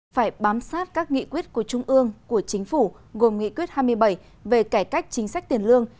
phải bám sát các nghị quyết của trung ương của chính phủ gồm nghị quyết hai mươi bảy về cải cách chính sách tiền lương